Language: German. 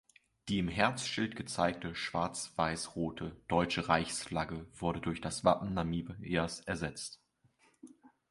Die im Herzschild gezeigte schwarz-weiß-rote deutsche Reichsflagge wurde durch das Wappen Namibias ersetzt.